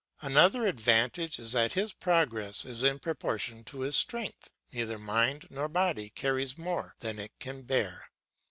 Another advantage is that his progress is in proportion to his strength, neither mind nor body carries more than it can bear.